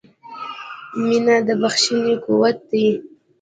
• مینه د بښنې قوت دی.